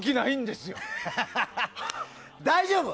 大丈夫。